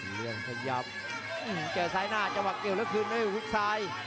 เลี่ยงขยับเจอซ้ายหน้าจะหวังเกี่ยวแล้วคืนให้คุกซ้าย